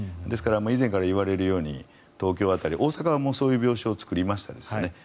ですから以前から言われるように東京辺り大阪はもうそういう病床を作りましたよね。